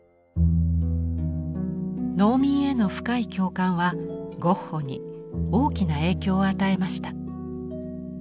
農民への深い共感はゴッホに大きな影響を与えました。